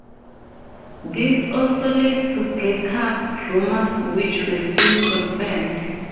This also led to break-up rumors, which were soon confirmed.